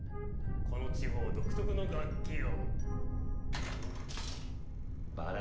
この地方独特の楽器よ。